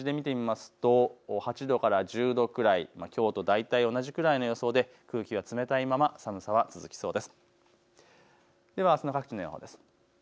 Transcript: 各地の最高気温、数字で見てみますと８度から１０度くらい、きょうと大体同じくらいの予想で空気が冷たいまま寒さは続きそうです。